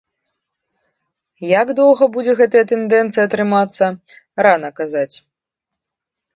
Як доўга будзе гэтая тэндэнцыя трымацца, рана казаць.